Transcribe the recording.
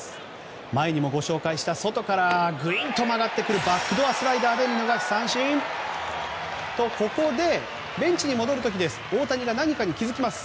前にもご紹介した外からグインと曲がってくるバックドアスライダーで見逃し三振！と、ここでベンチに戻る時大谷が何かに気づきます。